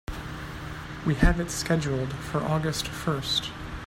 We have it scheduled for August first.